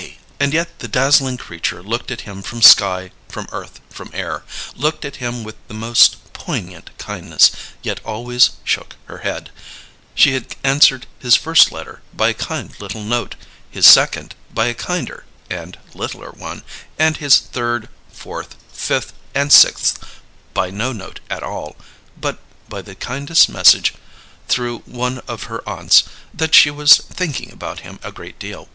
And yet the dazzling creature looked at him from sky, from earth, from air; looked at him with the most poignant kindness, yet always shook her head! She had answered his first letter by a kind little note, his second by a kinder and littler one, and his third, fourth, fifth, and sixth by no note at all; but by the kindest message (through one of her aunts) that she was thinking about him a great deal.